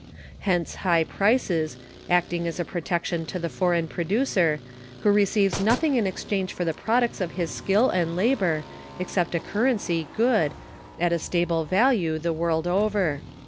Hence high prices, acting as a protection to the foreign producer, who receives nothing in exchange for the products of his skill and labor except a currency good, at a stable value, the world over.